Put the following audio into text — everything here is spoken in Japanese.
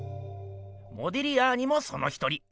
モディリアーニもその一人。